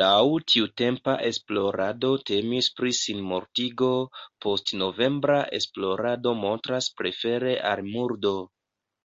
Laŭ tiutempa esplorado temis pri sinmortigo, postnovembra esplorado montras prefere al murdo.